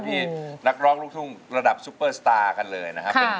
ที่นักร้องลูกทุ่งระดับซุปเปอร์สตาร์กันเลยนะครับ